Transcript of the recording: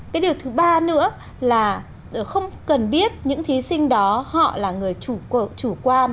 cái điều thứ ba nữa là không cần biết những thí sinh đó họ là người chủ quan